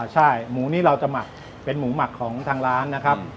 ใช่หมูนี้เราจะหมักเป็นหมูหมักของทางร้านนะครับ